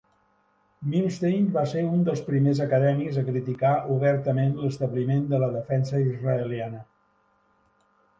Milstein va ser un dels primers acadèmics a criticar obertament l'establiment de la defensa israeliana.